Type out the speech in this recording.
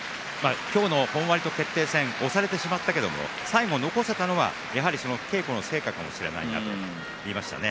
今日の本割と決定戦、押されてしまったけども最後残せたのは、やはり稽古の成果かもしれないと話していました。